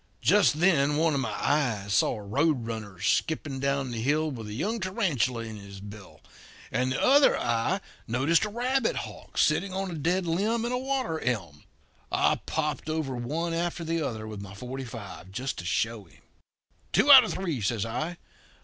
"Just then one of my eyes saw a roadrunner skipping down the hill with a young tarantula in his bill, and the other eye noticed a rabbit hawk sitting on a dead limb in a water elm. I popped over one after the other with my forty five, just to show him. 'Two out of three,' says I.